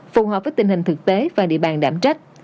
phù hợp với tình hình thực tế và địa bàn đảm trách